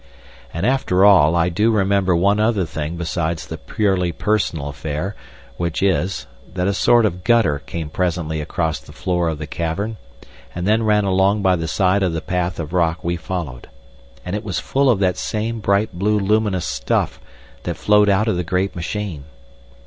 And after all, I do remember one other thing besides the purely personal affair, which is, that a sort of gutter came presently across the floor of the cavern, and then ran along by the side of the path of rock we followed. And it was full of that same bright blue luminous stuff that flowed out of the great machine.